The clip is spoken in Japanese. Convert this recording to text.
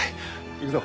行くぞ。